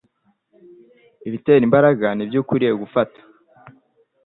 ibitera imbaraga nibyo ukwiye gufata